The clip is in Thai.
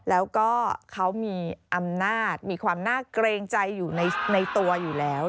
แล้วก็เขามีอำนาจมีความน่าเกรงใจอยู่ในตัวอยู่แล้ว